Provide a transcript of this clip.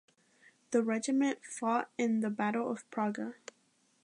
The regiment fought in the battle of Praga.